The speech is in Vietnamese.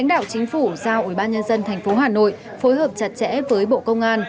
lãnh đạo chính phủ giao ủy ban nhân dân tp hà nội phối hợp chặt chẽ với bộ công an